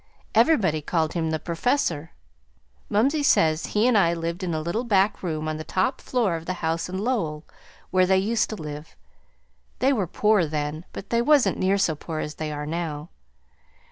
Everybody called him 'The Professor.' Mumsey says he and I lived in a little back room on the top floor of the house in Lowell where they used to live. They were poor then, but they wasn't near so poor as they are now.